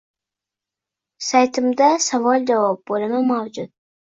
Saytimda Savol-Javob bo’limi mavjud